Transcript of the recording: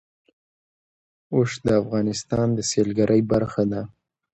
اوښ د افغانستان د سیلګرۍ برخه ده.